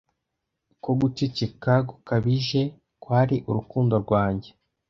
Ko guceceka gukabije kwari urukundo rwanjye